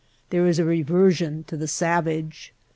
There is a reversion to the savage.